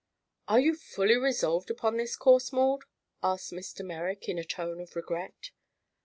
"Are you fully resolved upon this course, Maud?" asked Mr. Merrick in a tone of regret.